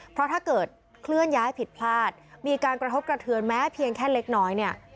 เพราะถ้าเกิดเคลื่อนย้ายผิดพลาดมีการกระทบกระเทือนแม้เพียงแค่เล็กน้อยเนี่ย